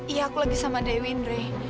iya aku lagi sama dewi ndre